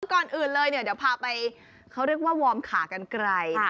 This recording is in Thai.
ก่อนอื่นเลยเนี่ยเดี๋ยวพาไปเขาเรียกว่าวอร์มขากันไกล